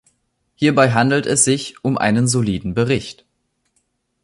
Hierbei handelt es sich um einen soliden Bericht.